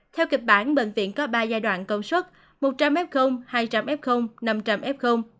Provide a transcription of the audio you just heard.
theo kịch bản bệnh viện có ba giai đoạn công suất một trăm linh f hai trăm linh f năm trăm linh f